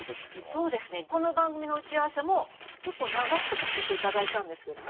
そうですねこの番組の打ち合わせも結構長くさせていただいたんですけども。